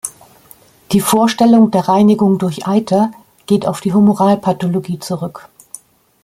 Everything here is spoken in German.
Die Vorstellung der Reinigung durch Eiter geht auf die Humoralpathologie zurück.